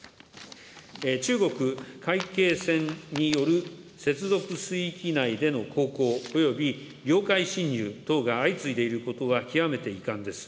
中国海警船による接続水域内での航行及び領海侵入等が相次いでいることは極めて遺憾です。